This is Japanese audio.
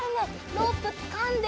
ロープつかんで。